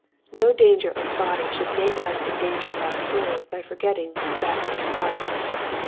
No danger of body should make us en danger our souls by forgetting that which is right.